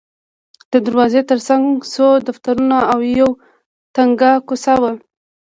د دروازې ترڅنګ څو دفترونه او یوه تنګه کوڅه وه.